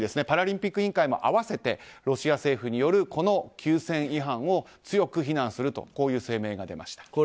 パラリンピック委員会も合わせてロシア政府によるこの休戦違反を強く非難するという声明が出ました。